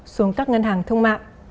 xuống các ngân hàng thương mại